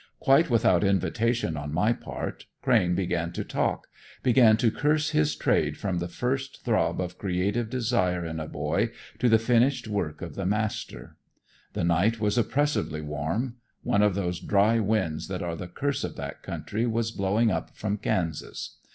Quite without invitation on my part, Crane began to talk, began to curse his trade from the first throb of creative desire in a boy to the finished work of the master. The night was oppressively warm; one of those dry winds that are the curse of that country was blowing up from Kansas.